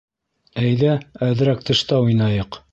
Әйҙә, әҙерәк тышта уйнайыҡ.